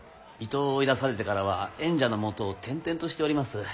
伊東を追い出されてからは縁者のもとを転々としております。